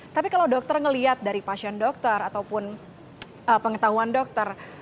tapi kalau dokter melihat dari pasien dokter ataupun pengetahuan dokter